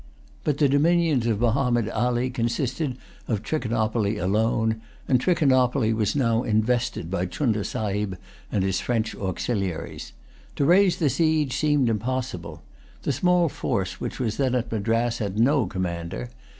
But the dominions of Mahommed Ali consisted of Trichinopoly alone: and Trichinopoly was now invested by Chunda Sahib and his French auxiliaries. To raise the siege seemed impossible. The small force which was then at Madras had no commander.